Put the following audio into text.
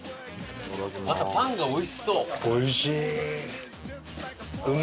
あとパンがおいしそう。